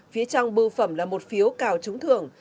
phía trong bưu phẩm là một phiếu cào trúng thưởng